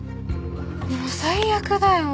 もう最悪だよ。